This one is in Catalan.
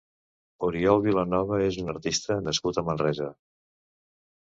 Oriol Vilanova és un artista nascut a Manresa.